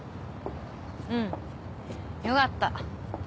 うん良かった。